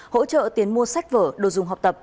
hỗ trợ tiền mua sách vở đồ dùng học tập